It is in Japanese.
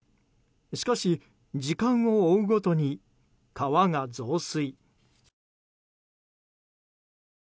しかし、時間を追うごとに川が増水。